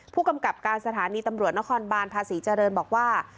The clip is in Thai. ผู้กำกับการสถานีตำรวจนครบานภาษีเจริญบอกว่า